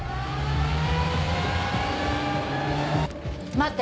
待って。